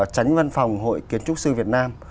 tránh văn phòng hội kiến trúc sư việt nam